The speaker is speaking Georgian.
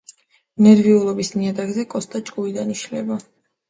ნერვიულობის ნიადაგზე კოსტა ჭკუიდან იშლება.